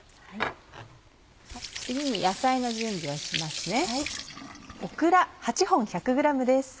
次に野菜の準備をしますね。